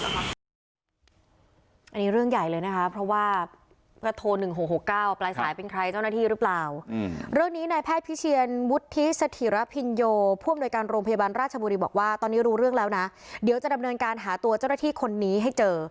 อันนี้เรื่องใหญ่เลยนะคะเพราะว่าโทร๑๖๖๙ปลายสายเป็นใครเจ้าหน้าที่หรือเปล่าเรื่องนี้นายแพทย์พิเชียนวุฒิสถิระพินโยผู้อำนวยการโรงพยาบาลราชบุรีบอกว่าตอนนี้รู้เรื่องแล้วนะเดี๋ยวจะดำเนินการหาตัวเจ้าหน้าที่คนนี้ให้เจอ